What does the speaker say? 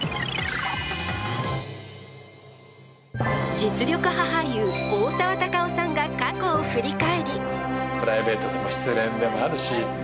実力派俳優、大沢たかおさんが過去を振り返り。